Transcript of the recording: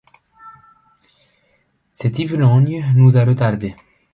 Cet ivrogne nous a retardés.